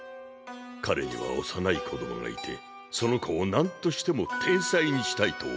彼には幼い子供がいてその子を何としても天才にしたいと思っていた。